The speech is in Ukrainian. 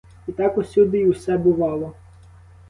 І так усюди й усе бувало.